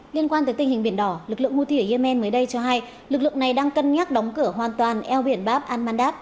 liên quan tới tình hình biển đỏ lực lượng houthi ở yemen mới đây cho hay lực lượng này đang cân nhắc đóng cửa hoàn toàn eo biển bab al mandab